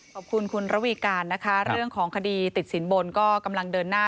ขอบคุณคุณระวีการนะคะเรื่องของคดีติดสินบนก็กำลังเดินหน้า